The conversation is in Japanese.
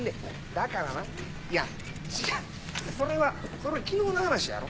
だからないや違うそれはそれは昨日の話やろ？